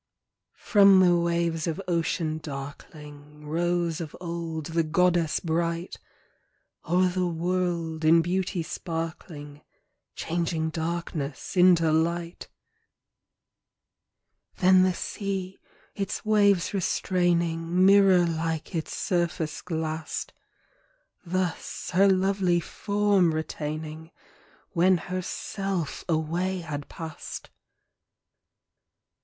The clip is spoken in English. T^ROM the waves of ocean darkling, Rose of old the Goddess bright ; O'er the world in beauty sparkling, Changing darkness into light GERMAN SONG. Then the sea, its waves restraining, Mirror like its surface glassed; Thus her \Q\t\y form retaining, When her x^ away had passed.